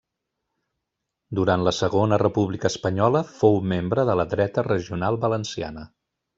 Durant la Segona República Espanyola fou membre de la Dreta Regional Valenciana.